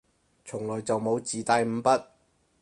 從來就冇自帶五筆